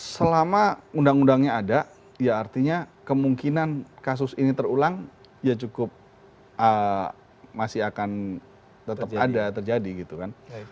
selama undang undangnya ada ya artinya kemungkinan kasus ini terulang ya cukup masih akan tetap ada terjadi gitu kan